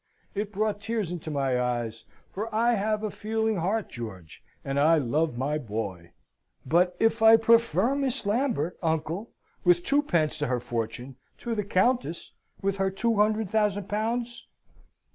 It brought tears into my eyes, for I have a feeling heart, George, and I love my boy!" "But if I prefer Miss Lambert, uncle, with twopence to her fortune, to the Countess, with her hundred thousand pounds?"